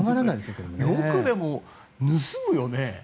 よくでも盗むよね。